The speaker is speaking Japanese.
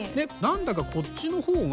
何だかこっちのほうが。